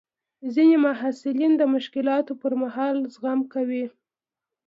ځینې محصلین د مشکلاتو پر مهال زغم کوي.